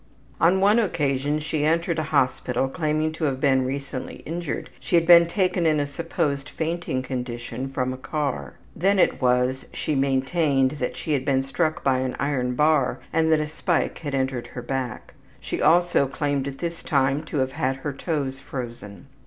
On one occasion she entered a hospital, claiming to have been recently injured; she had been taken in a supposed fainting condition from a car. Then it was she maintained that she had been struck by an iron bar and that a spike had entered her back. She also claimed at this time to have had her toes frozen.